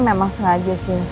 memang sengaja sih